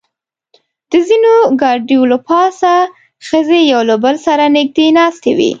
د ځینو ګاډیو له پاسه ښځې یو له بل سره نږدې ناستې وې.